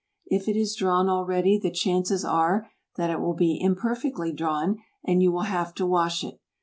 If it is drawn already the chances are that it will be imperfectly drawn and you will have to wash it.